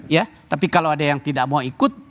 ya tapi kalau ada yang tidak mau ikut